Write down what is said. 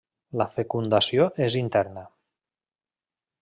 La fecundació és interna.